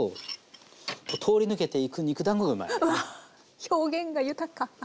表現が豊か。